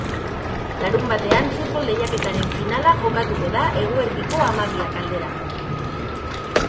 Larunbatean futbol lehiaketaren finala jokatuko da eguerdiko hamabiak aldera.